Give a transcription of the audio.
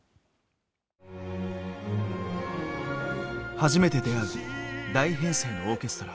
初めて出会う大編成のオーケストラ。